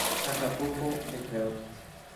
Chacabuco, entre otras.